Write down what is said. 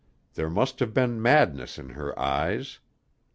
There must have been madness in her eyes.